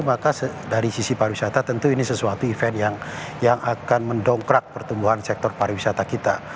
maka dari sisi pariwisata tentu ini sesuatu event yang akan mendongkrak pertumbuhan sektor pariwisata kita